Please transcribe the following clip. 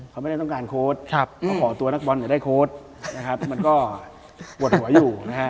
เขาไม่ได้ต้องการโค้ดเขาขอตัวนักบอลอย่าได้โค้ดมันก็ปวดหัวอยู่